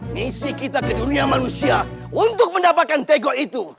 misi kita ke dunia manusia untuk mendapatkan tegok itu